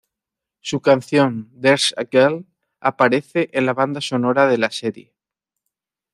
Su canción "There's a Girl" aparece en la banda sonora de la serie.